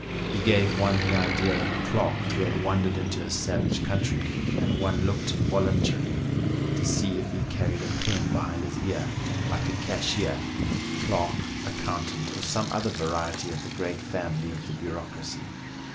He gave one the idea of a clerk who had wandered into a savage country, and one looked involuntarily to see if he carried a pen behind his ear, like a cashier, clerk, accountant, or some other variety of the great family of the bureaucracy.